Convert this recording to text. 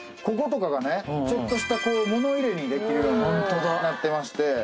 こことかがねちょっとした物入れにできるようになってまして。